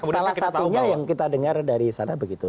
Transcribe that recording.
salah satunya yang kita dengar dari sana begitu